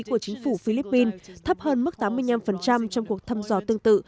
của chính phủ philippines thấp hơn mức tám mươi năm trong cuộc thăm dò tương tự